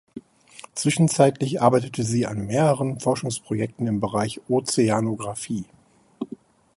Zwischenzeitlich arbeitete sie an mehreren Forschungsprojekten im Bereich Ozeanografie.